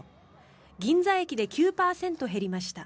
銀座駅で９％減りました。